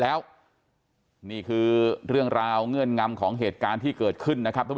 แล้วนี่คือเรื่องราวเงื่อนงำของเหตุการณ์ที่เกิดขึ้นนะครับทุกผู้